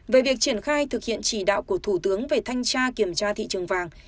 về việc triển khai thực hiện chỉ đạo của thủ tướng về thanh tra kiểm tra thị trường vàng